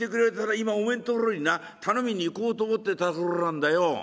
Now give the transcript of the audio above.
今おめえんところにな頼みに行こうと思ってたところなんだよ」。